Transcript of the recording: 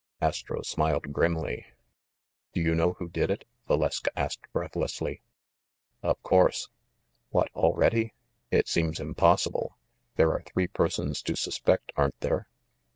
Astro smiled grimly. "Do you know who did it?" Valeska asked breath lessly. "Of course." "What, already? It seems impossible. There are three persons to suspect, aren't there